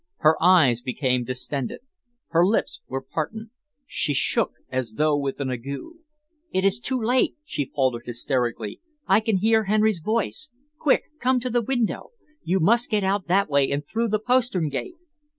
Her eyes became distended. Her lips were parted. She shook as though with an ague. "It is too late!" she faltered hysterically. "I can hear Henry's voice! Quick! Come to the window. You must get out that way and through the postern gate."